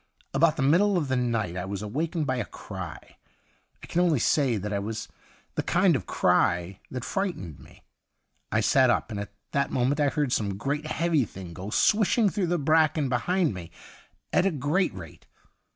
About the middle of the night I was awakened by a cry ; I can only say that it was the kind of cry that frightened me. I sat up, and at that moment I heard some great, heavy thing go swishing through the bracken behind me at a great rate.